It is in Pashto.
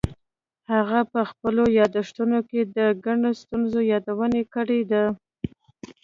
هغه په خپلو یادښتونو کې د ګڼو ستونزو یادونه کړې ده.